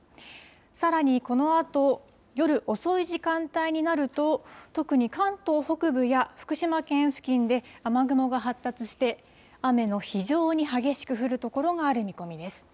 さらに、このあと夜遅い時間帯になると、特に関東北部や福島県付近で雨雲が発達して、雨の非常に激しく降る所がある見込みです。